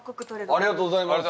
ありがとうございます。